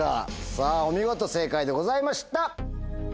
さぁお見事正解でございました！